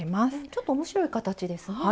ちょっと面白い形ですね。